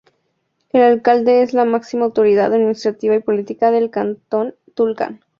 El Alcalde es la máxima autoridad administrativa y política del Cantón Tulcán.